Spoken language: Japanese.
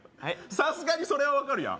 さすがにそれは分かるやん